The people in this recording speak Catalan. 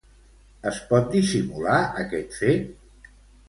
Es pot dissimular aquest fet?